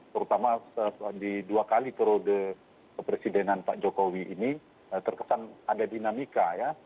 terutama di dua kali perode kepresidenan pak jokowi ini terkesan ada dinamika ya